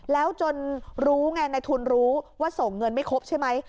แล้วจนรู้ไงในทุนรู้ว่าส่งเงินไม่ครบใช่ไหม